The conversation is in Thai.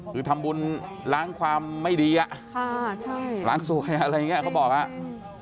คือทำบุญล้างความไม่ดีล้างสวยอะไรอย่างเงี้ยเค้าบอกครับ